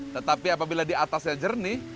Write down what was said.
tetapi apabila di atasnya jernih